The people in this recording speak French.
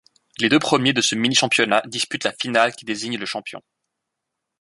Les deux premiers de ce mini-championnat disputent la finale qui désigne le champion.